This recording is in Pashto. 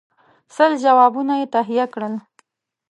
سل جوابونه یې تهیه کړل.